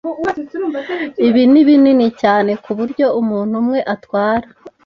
Ibi ni binini cyane kuburyo umuntu umwe atwara.